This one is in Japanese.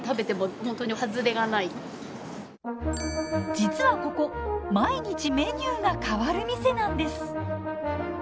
実はここ毎日メニューが変わる店なんです。